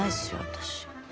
私。